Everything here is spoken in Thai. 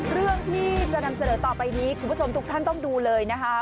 เรื่องที่จะนำเสนอต่อไปนี้คุณผู้ชมทุกท่านต้องดูเลยนะคะ